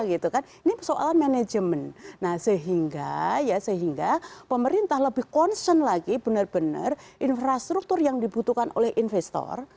ini soal manajemen sehingga pemerintah lebih concern lagi benar benar infrastruktur yang dibutuhkan oleh investor